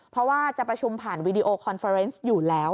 เพราะว่าจะประชุมผ่านวีดีโอคอนเฟอร์เนสอยู่แล้ว